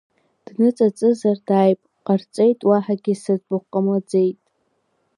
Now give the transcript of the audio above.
Дныҵаҵызар дааип, ҟарҵеит, уаҳагь сыӡбахә ҟамлаӡеит.